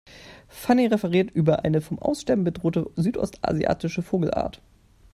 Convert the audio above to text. Fanny referiert über eine vom Aussterben bedrohte südostasiatische Vogelart.